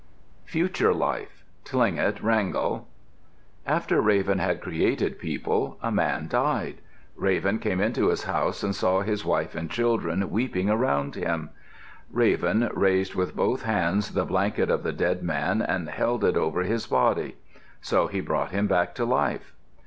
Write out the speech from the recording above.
FUTURE LIFE Tlingit (Wrangell) After Raven had created people, a man died. Raven came into his house and saw his wife and children weeping around him. Raven raised with both hands the blanket of the dead man and held it over his body. So he brought him back to life.